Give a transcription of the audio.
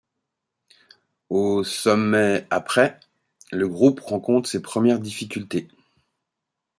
Au sommet après ', le groupe rencontre ses premières difficultés.